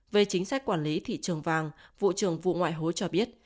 về chính sách quản lý thị trường vàng vụ trưởng vụ ngoại hối cho biết